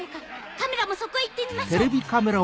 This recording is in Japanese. カメラもそこへ行ってみましょう！